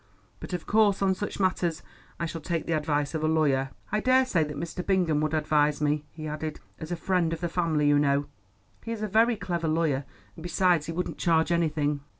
"But of course on such matters I shall take the advice of a lawyer. I daresay that Mr. Bingham would advise me," he added, "as a friend of the family, you know. He is a very clever lawyer, and, besides, he wouldn't charge anything."